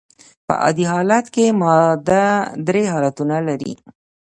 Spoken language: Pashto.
په عادي حالت کي ماده درې حالتونه لري.